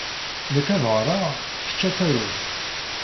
Nekk ad d-ɣreɣ, kečč ad tarud.